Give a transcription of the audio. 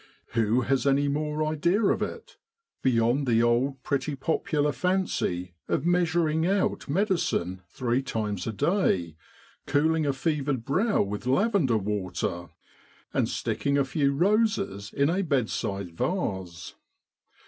Who has any more idea of it, beyond the old pretty popular fancy of measuring out medicine three times a day, cooling a fevered brow with lavender water, and sticking a few roses in a bedside vase